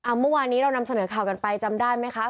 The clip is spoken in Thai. เมื่อวานนี้เรานำเสนอข่าวกันไปจำได้ไหมคะ